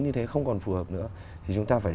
như thế không còn phù hợp nữa thì chúng ta phải